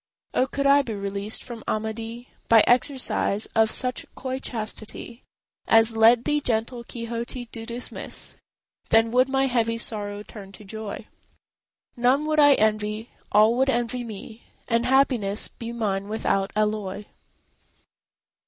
Oh, could I be released from Amadis By exercise of such coy chastity As led thee gentle Quixote to dismiss! Then would my heavy sorrow turn to joy; None would I envy, all would envy me, And happiness be mine without alloy.